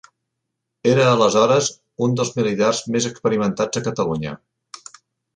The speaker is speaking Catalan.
Era aleshores un dels militars més experimentats de Catalunya.